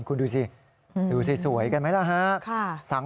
คุณดูสิดูสิสวยกันไหมล่ะฮะ